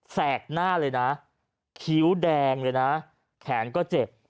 แสกหน้าเลยนะคิ้วแดงเลยนะแขนก็เจ็บ